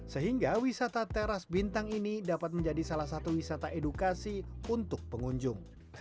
sehingga wisata teras bintang ini dapat menjadi salah satu wisata edukasi untuk pengunjung